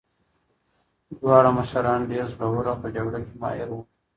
دواړه مشران ډېر زړور او په جګړه کې ماهر وو.